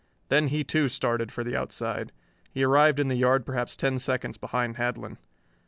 Then he too started for the outside. He arrived in the yard perhaps ten seconds behind Handlon.